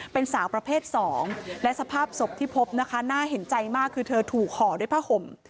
เป็นสาวประเภท๒และสภาพศพที่พบนะคะน่าเห็นใจมากคือเธอถูกห่อด้วยผ้าห่ม